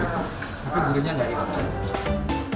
tapi gurunya enggak enak